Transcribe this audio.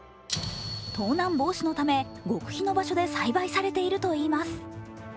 盗難防止のため極秘の場所で栽培されているといいます。